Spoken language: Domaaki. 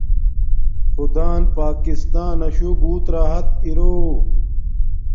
خدان پاکستاناشو بوت راحت ارو